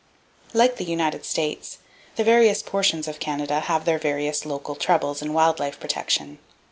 (Page 226.) Like the United States, the various portions of Canada have their various local troubles in wild life protection.